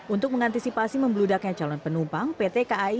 untuk mengantisipasi membeludaknya calon penumpang ptki